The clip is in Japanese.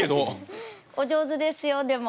お上手ですよでも。